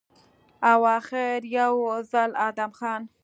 او اخر يو ځل ادم خان